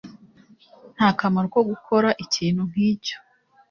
Nta kamaro ko gukora ikintu nkicyo.